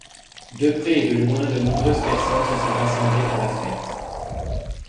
De près et de loin, de nombreuses personnes se sont rassemblées pour la fête.